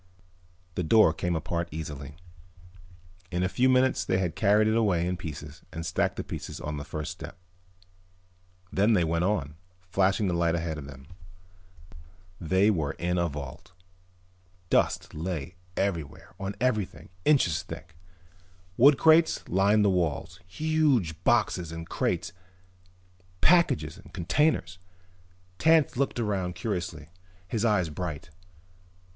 The door came apart easily. In a few minutes they had carried it away in pieces and stacked the pieces on the first step. Then they went on, flashing the light ahead of them. They were in a vault. Dust lay everywhere, on everything, inches thick. Wood crates lined the walls, huge boxes and crates, packages and containers. Tance looked around curiously, his eyes bright.